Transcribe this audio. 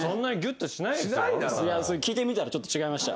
聞いてみたらちょっと違いました。